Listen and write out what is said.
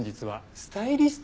スタイリスト？